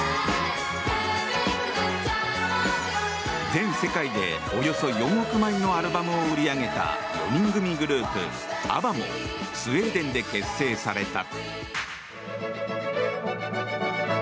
全世界でおよそ４億枚のアルバムを売り上げた４人組グループ、ＡＢＢＡもスウェーデンで結成された。